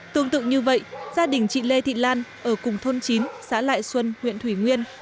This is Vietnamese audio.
tương tự như vậy gia đình chị lê thị lan ở cùng thôn chín xã lại xuân huyện thủy nguyên